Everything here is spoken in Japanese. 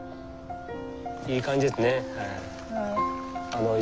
いい感じですねはい。